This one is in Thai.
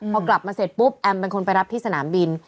พอกลับมาเสร็จปุ๊บแอมเป็นคนไปรับที่สนามบิน